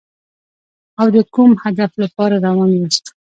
او د کوم هدف لپاره روان یاست.